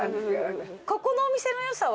ここのお店のよさは。